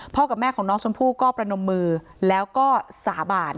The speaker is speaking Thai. กับแม่ของน้องชมพู่ก็ประนมมือแล้วก็สาบาน